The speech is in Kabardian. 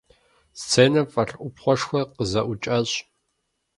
Сценэм фӀэлъ Ӏупхъуэшхуэр къызэӀукӀащ.